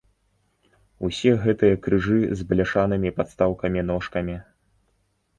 Усе гэтыя крыжы з бляшанымі падстаўкамі-ножкамі.